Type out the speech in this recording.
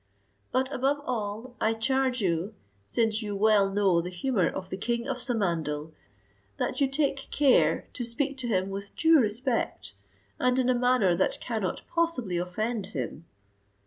But, above all, I charge you, since you well know the humour of the king of Samandal, that you take care to speak to him with due respect, and in a manner that cannot possibly offend him."